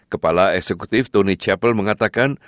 kepala eksekutif tony chapel mengatakan